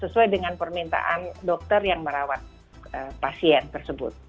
sesuai dengan permintaan dokter yang merawat pasien tersebut